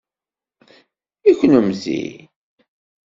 I kunemti?